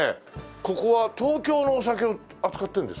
ここは東京のお酒を扱ってるんですか？